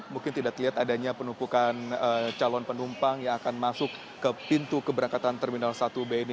mungkin tidak terlihat adanya penumpukan calon penumpang yang akan masuk ke pintu keberangkatan terminal satu b ini